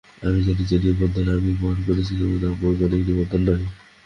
আমি জানি, যে নিবন্ধ আমি পাঠ করেছি তা বৈজ্ঞানিক নিবন্ধ নয়।